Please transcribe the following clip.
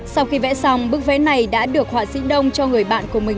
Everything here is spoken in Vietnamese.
sau khi vẽ xong bức vẽ này đã được họa sĩ đông cho người bạn của mình